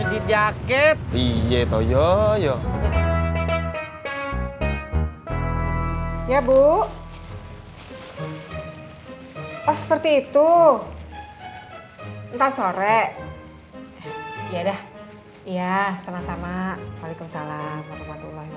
jadi jaket iya itu yoyo ya bu oh seperti itu ntar sore ya udah iya sama sama waalaikumsalam